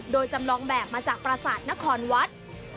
โดยจำลองแบบมาจากประสาทนครวัด